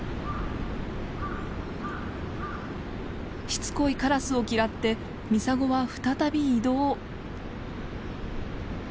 しつこいカラスを嫌ってミサゴは再び移動。